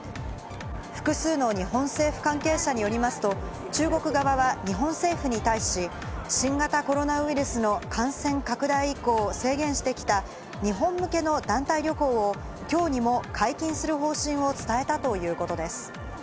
複数の日本政府関係者によりますと、中国側は日本政府に対し、新型コロナウイルスの感染拡大以降、制限してきた日本向けの団体旅行をきょうにも解禁する方針を伝えたということです。